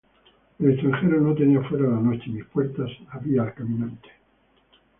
El extranjero no tenía fuera la noche; Mis puertas abría al caminante.